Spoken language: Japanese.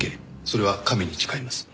それは神に誓います。